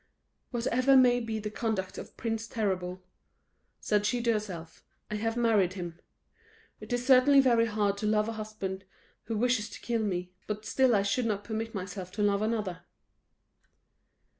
"Whatever may be the conduct of Prince Terrible," said she to herself, "I have married him. It is certainly very hard to love a husband who wished to kill me, but still I should not permit myself to love another."